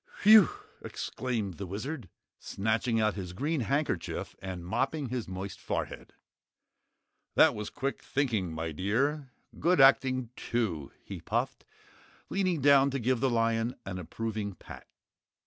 "Whew!" exclaimed the Wizard, snatching out his green handkerchief and mopping his moist forehead. "That was quick thinking, my dear. Good acting, too," he puffed, leaning down to give the lion an approving pat.